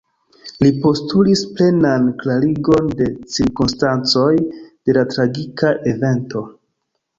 Li postulis plenan klarigon de cirkonstancoj de la tragika evento.